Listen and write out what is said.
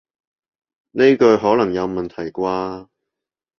呢句可能有問題啩